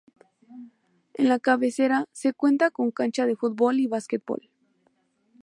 En la cabecera, se cuenta con cancha de fútbol y básquetbol.